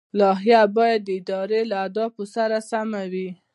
لایحه باید د ادارې له اهدافو سره سمه وي.